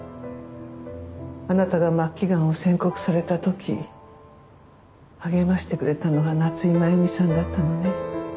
あなたが末期がんを宣告された時励ましてくれたのが夏井真弓さんだったのね。